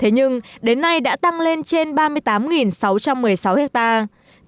thế nhưng đến nay đã tăng lên trên ba mươi tám sáu trăm một mươi sáu hectare